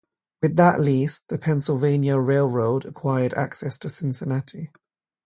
With that lease, the Pennsylvania Railroad acquired access to Cincinnati.